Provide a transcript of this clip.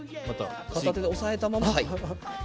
片手で押さえたままです。